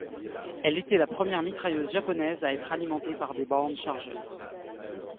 Elle était la première mitrailleuse japonaise à être alimentée par des bandes chargeurs.